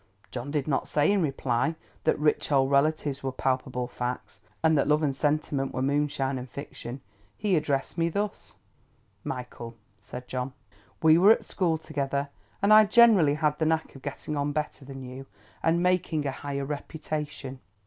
John did not say, in reply, that rich old relatives were palpable facts, and that love and sentiment were moonshine and fiction. He addressed me thus: "Michael," said John, "we were at school together, and I generally had the knack of getting on better than you, and making a higher reputation."